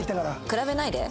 比べないで。